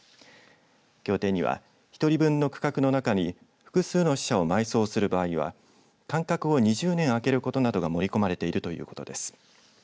協定には１人分の区画の中に複数の死者を埋葬する場合は間隔を２０年空けることなどが盛り込まれているということです。